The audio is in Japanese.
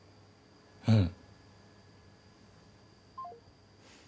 うん。